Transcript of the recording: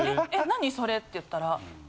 何それ？」って言ったら。